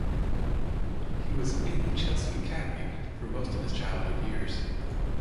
He was in the Chelsea academy for most of his childhood years.